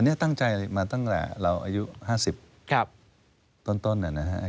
อันนี้ตั้งใจมาตั้งแต่เราอายุห้าสิบครับต้นเนี้ยนะฮะ